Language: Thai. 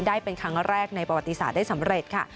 ได้เป็นครั้งแรกในประวัติศาสตร์ได้สำเร็จค่ะ